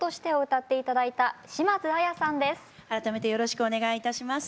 改めてよろしくお願いいたします。